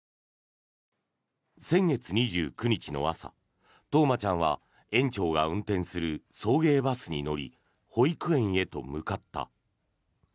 先月２９日の朝、冬生ちゃんは園長が運転する送迎バスに乗り保育園へと向かった。